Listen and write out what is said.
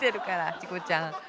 チコちゃん。